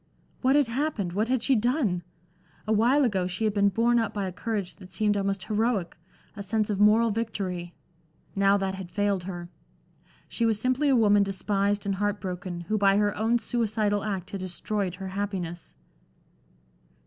What had happened, what had she done? Awhile ago she had been borne up by a courage that seemed almost heroic, a sense of moral victory. Now that had failed her. She was simply a woman despised and heart broken, who by her own suicidal act had destroyed her happiness.